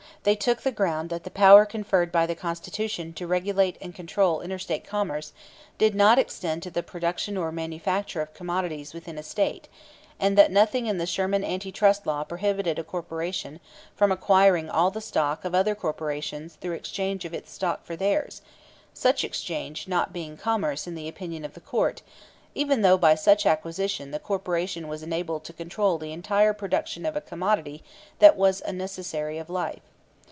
They took the ground that the power conferred by the Constitution to regulate and control interstate commerce did not extend to the production or manufacture of commodities within a State, and that nothing in the Sherman Anti Trust Law prohibited a corporation from acquiring all the stock of other corporations through exchange of its stock for theirs, such exchange not being "commerce" in the opinion of the Court, even though by such acquisition the corporation was enabled to control the entire production of a commodity that was a necessary of life.